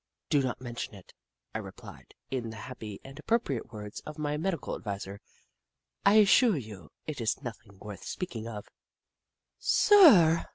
" Do not mention it," I replied, in the happy and appropriate words of my medical adviser ;" I assure you, it is nothing worth speaking of." " Sir r r r